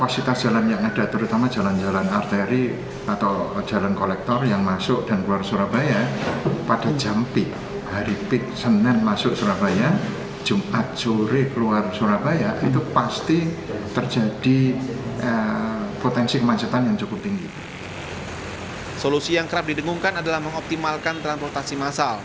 solusi yang kerap didengungkan adalah mengoptimalkan transportasi massal